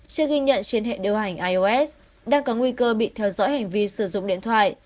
chưa ghi nhận trên hệ điều hành ios đang có nguy cơ bị theo dõi hành vi sử dụng điện thoại